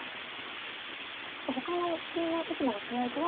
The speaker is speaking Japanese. ちょっとほかの普通のいつもの手合とは。